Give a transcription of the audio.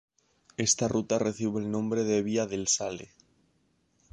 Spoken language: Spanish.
Esta ruta recibe el nombre de Vía del Sale.